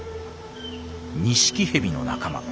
ニシキヘビの仲間。